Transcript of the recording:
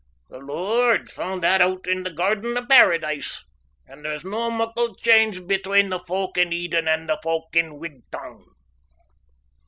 The Lord foond that oot in the gairden o' Paradise, and there's no muckle change between the folk in Eden and the folk in Wigtown.